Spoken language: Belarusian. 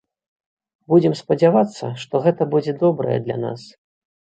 Будзем спадзявацца, што гэта будзе добрае для нас.